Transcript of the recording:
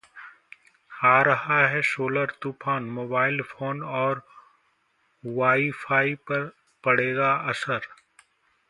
आ रहा है सोलर तूफान, मोबाइल फोन और वाईफाई पर पड़ेगा असर